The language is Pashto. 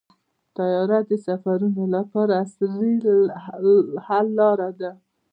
طیاره د سفرونو لپاره عصري حل لاره ده.